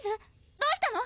どうしたの⁉